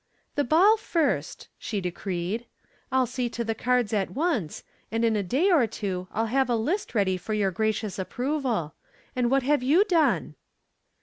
"The ball first," she decreed. "I'll see to the cards at once, and in a day or two I'll have a list ready for your gracious approval. And what have you done?"